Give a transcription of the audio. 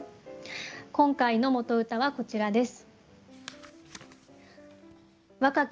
今回の元歌はこちらです。